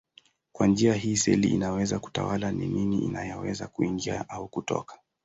Kwa njia hii seli inaweza kutawala ni nini inayoweza kuingia au kutoka.